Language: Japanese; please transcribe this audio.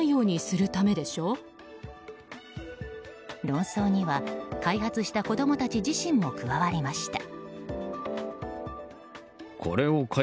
論争には、開発した子供たち自身も加わりました。